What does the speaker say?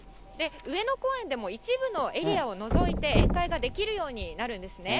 上野公園でも一部のエリアを除いて宴会ができるようになるんですね。